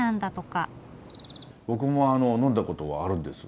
僕も呑んだことはあるんです。